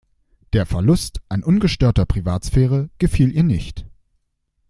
Der Verlust an ungestörter Privatsphäre gefiel ihr nicht.